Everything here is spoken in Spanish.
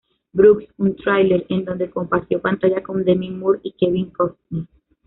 Brooks", un thriller, en donde compartió pantalla con Demi Moore y Kevin Costner.